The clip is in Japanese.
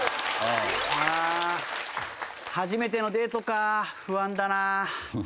ああ初めてのデートか不安だなあ。